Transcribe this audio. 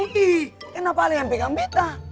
kenapa lo yang pegang betta